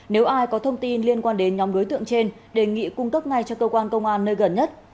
nếu ai có thông tin liên quan đến nhóm đối tượng trên đề nghị cung cấp ngay cho cơ quan công an nơi gần nhất